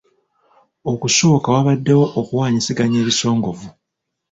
Okusooka waabaddewo okuwanyisiganya ebisongovu